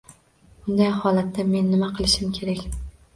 Bunday holatda men nima qilishim kerak?